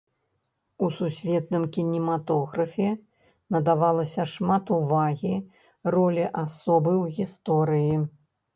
У сусветным кінематографе надавалася шмат увагі ролі асобы ў гісторыі.